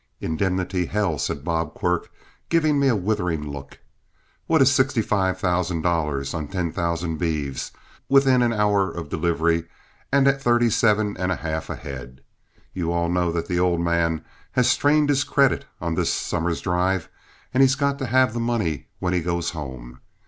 "Indemnity, hell!" said Bob Quirk, giving me a withering look; "what is sixty five thousand dollars on ten thousand beeves, within an hour of delivery and at thirty seven and a half a head? You all know that the old man has strained his credit on this summer's drive, and he's got to have the money when he goes home.